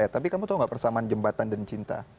tapi kamu tahu nggak persamaan jembatan dan cinta